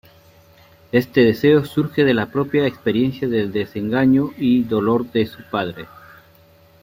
Este deseo surge de la propia experiencia de desengaño y dolor de su padre.